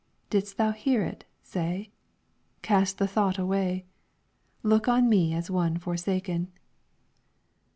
Didst thou hear it, say? Cast the thought away; Look on me as one forsaken.